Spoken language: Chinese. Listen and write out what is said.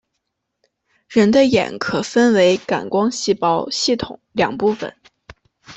人的眼可分为感光细胞系统两部分。